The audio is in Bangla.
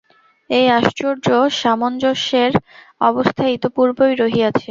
এই আশ্চর্য সামঞ্জস্যের অবস্থা ইতঃপূর্বেই রহিয়াছে।